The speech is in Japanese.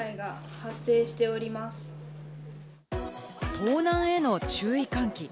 盗難への注意喚起。